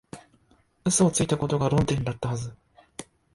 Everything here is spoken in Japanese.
嘘をついたことが論点だったはず